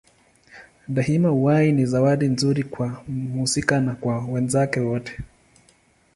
Daima uhai ni zawadi nzuri kwa mhusika na kwa wenzake wote.